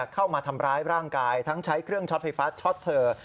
เข้ามาทำร้ายร่างกายทั้งใช้เครื่องช็อตไฟฟ้าช็อตเธอ